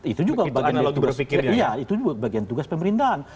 itu juga bagian tugas pemerintahan